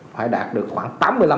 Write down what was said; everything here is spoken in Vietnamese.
phải đạt được khoảng tám mươi năm